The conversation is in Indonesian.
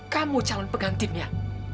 kamu calon pengantinnya